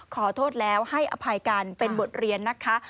ขอโทษแล้วให้อภัยกันเป็นบทเรียนนะคะ